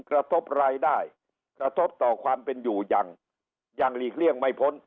กระทบรายได้กระทบต่อความเป็นอยู่อย่างยังหลีกเลี่ยงไม่พ้น